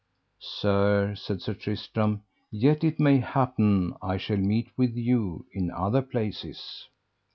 Sir, said Sir Tristram, yet it may happen I shall meet with you in other places.